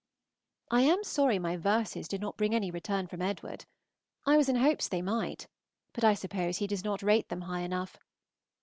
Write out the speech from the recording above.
I am sorry my verses did not bring any return from Edward. I was in hopes they might, but I suppose he does not rate them high enough.